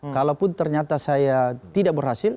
kalaupun ternyata saya tidak berhasil